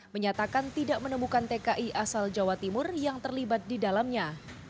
menyatakan tidak menemukan tki asal jawa timur yang terlibat di dalamnya